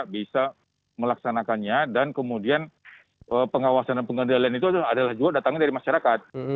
bisa melaksanakannya dan kemudian pengawasan dan pengendalian itu adalah juga datangnya dari masyarakat